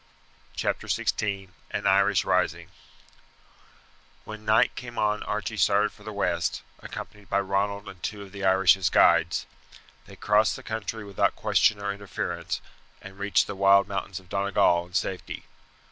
Chapter XVI An Irish Rising When night came on Archie started for the west, accompanied by Ronald and two of the Irish as guides. They crossed the country without question or interference, and reached the wild mountains of Donegal in safety.